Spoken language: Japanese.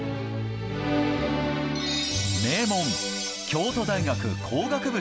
名門、京都大学工学部